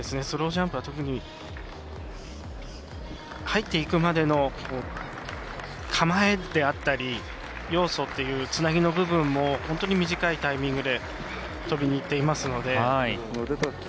スロージャンプは特に入っていくまでの構えであったり要素っていうつなぎの部分も本当に短いタイミングで跳びにいっていますので。